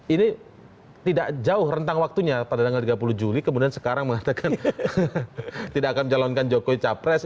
ini tidak jauh rentang waktunya pada tanggal tiga puluh juli kemudian sekarang mengatakan tidak akan mencalonkan jokowi capres